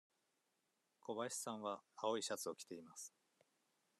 小林さんは青いシャツを着ています。